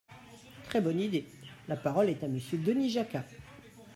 Très bonne idée ! La parole est à Monsieur Denis Jacquat.